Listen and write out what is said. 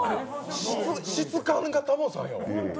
質感がタモさんや。